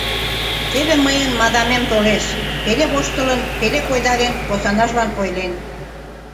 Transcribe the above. — Теве мыйын мадамем толеш, — пеле воштылын, пеле койдарен, посанажлан ойлен.